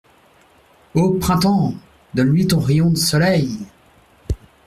O printemps ! donne-lui ton rayon de soleil !